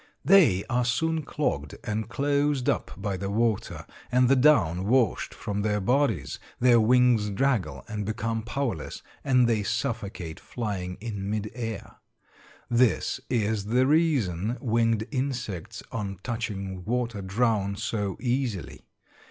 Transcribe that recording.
They are soon clogged and closed up by the water, and the down washed from their bodies; their wings draggle and become powerless, and they suffocate flying in midair. This is the reason winged insects on touching water drown so easily.